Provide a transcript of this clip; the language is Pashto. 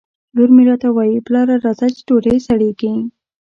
لور مې راته وایي ! پلاره راځه چې ډوډۍ سړېږي